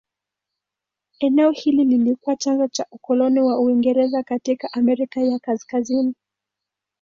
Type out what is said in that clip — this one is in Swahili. Eneo hili lilikuwa chanzo cha ukoloni wa Uingereza katika Amerika ya Kaskazini.